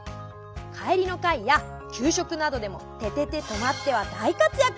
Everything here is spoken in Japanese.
かえりのかいやきゅうしょくなどでも「ててて！とまって！」はだいかつやく！